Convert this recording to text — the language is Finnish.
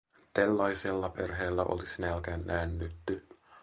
Tällaisella perheellä olisi nälkään näännytty.